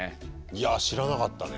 いやぁ知らなかったね。